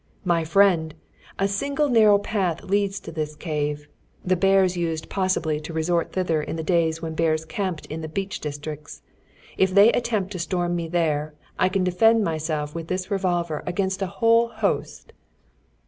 "My friend! a single narrow little path leads to this cave. The bears used possibly to resort thither in the days when bears camped in the beech districts. If they attempt to storm me there, I can defend myself with this revolver against a whole host."